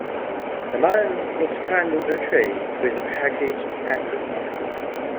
A man is climbing a tree with a package at the side.